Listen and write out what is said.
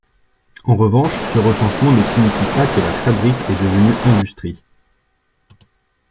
En revanche ce recensement ne signifie pas que la fabrique est devenue industrie.